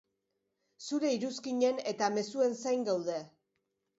Zure iruzkinen eta mezuen zain gaude.